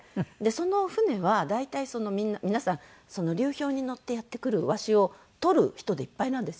その船は大体皆さん流氷に乗ってやって来るワシを撮る人でいっぱいなんですよ。